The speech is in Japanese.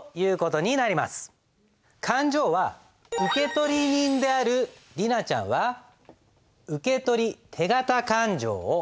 勘定は受取人である莉奈ちゃんは受取手形勘定を。